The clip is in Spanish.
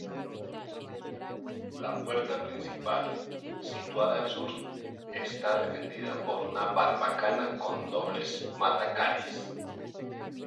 La puerta principal, situada al Sur, está defendida por una barbacana con dobles matacanes.